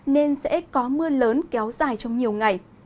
nên sẽ có mưa lớn kéo dài trong nhiều ngày